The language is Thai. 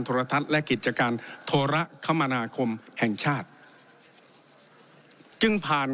โทรทัศน์และกิจการโทรคมนาคมแห่งชาติจึงผ่าน